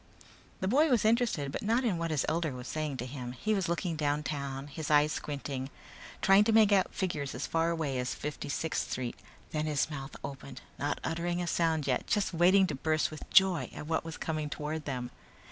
The boy was interested but not in what his elder was saying to him. He was looking downtown, his eyes squinting, trying to make out figures as far away as Fifty sixth Street. Then his mouth opened, not uttering a sound yet, just waiting to burst with joy at what was coming toward them.